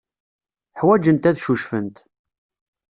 Ḥwajent ad ccucfent.